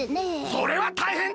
それはたいへんだ！